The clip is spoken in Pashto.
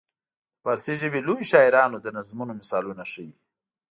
د فارسي ژبې لویو شاعرانو د نظمونو مثالونه ښيي.